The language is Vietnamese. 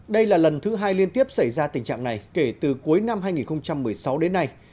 đây là lần thứ hai liên tiếp xảy ra tình trạng này kể từ cuối năm hai nghìn một mươi sáu đến nay